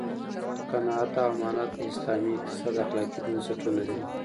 قناعت او امانت د اسلامي اقتصاد اخلاقي بنسټونه دي.